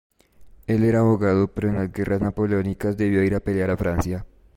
Él era abogado pero en las guerras napoleónicas debió ir a pelear a Francia.